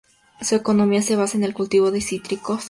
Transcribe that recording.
Su economía se basa en el cultivo de cítricos.